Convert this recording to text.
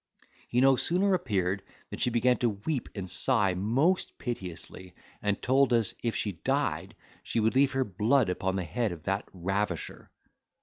He no sooner appeared than she began to weep and sigh most piteously, and told us, if she died, she would leave her blood upon the head of that ravisher.